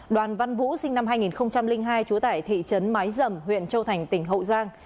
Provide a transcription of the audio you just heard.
đoàn văn vũ sinh năm hai nghìn hai trú tại thị trấn mái dầm huyện châu thành tỉnh hậu giang